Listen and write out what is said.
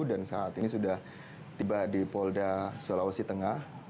dan saat ini sudah tiba di polda sulawesi tengah